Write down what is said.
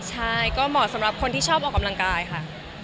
ใช่ก็เหมาะสำหรับคนที่ชอบออกกำลังกายค่ะ